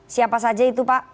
siapa saja itu pak